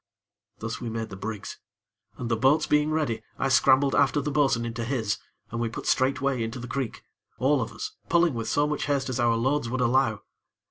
Thus we made the brig, and, the boats being ready, I scrambled after the bo'sun into his, and we put straightway into the creek, all of us, pulling with so much haste as our loads would allow.